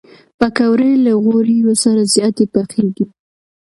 پکورې له غوړیو سره زیاتې پخېږي